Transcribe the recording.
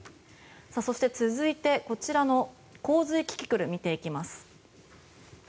そして、続いて洪水キキクルを見ていきます。